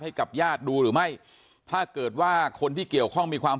ให้กับญาติดูหรือไม่ถ้าเกิดว่าคนที่เกี่ยวข้องมีความ